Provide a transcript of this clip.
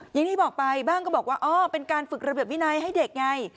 อย่างที่บอกไปบ้างก็บอกว่าอ๋อเป็นการฝึกระเบียบวินัยให้เด็กไง